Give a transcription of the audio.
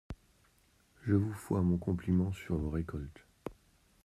Je vous fois mon compliment sur vos récoltes.